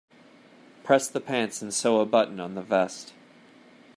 Press the pants and sew a button on the vest.